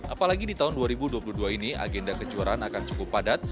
apalagi di tahun dua ribu dua puluh dua ini agenda kejuaraan akan cukup padat